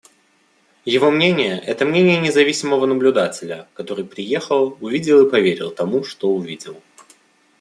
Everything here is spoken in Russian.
Его мнение — это мнение независимого наблюдателя, который приехал, увидел и поверил тому, что увидел.